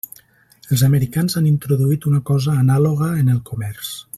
Els americans han introduït una cosa anàloga en el comerç.